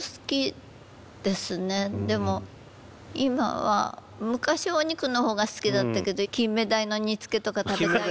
でも今は昔はお肉の方が好きだったけどキンメダイの煮つけとか食べたいな。